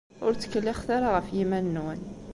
Ur ttkellixet ara ɣef yiman-nwen.